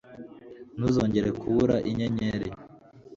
ntuzongere kubura inyenyeri